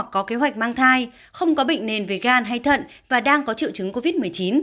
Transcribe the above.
có kế hoạch mang thai không có bệnh nền về gan hay thận và đang có triệu chứng covid một mươi chín